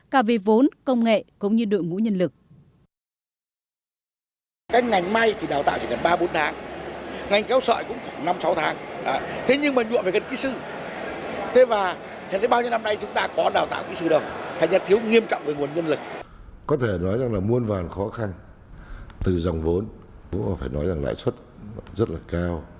cả về vốn công nghệ cũng như đội ngũ nhân lực